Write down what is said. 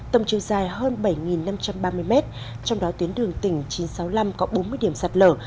tầm chiều dài hơn bảy năm trăm ba mươi mét trong đó tuyến đường tỉnh chín trăm sáu mươi năm có bốn mươi điểm sạt lở